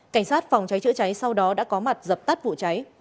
cảnh sát phòng cháy chữa cháy sau đó đã có mặt dập tắt vụ cháy